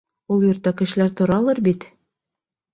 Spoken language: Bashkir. — Ул йортта кешеләр торалыр бит?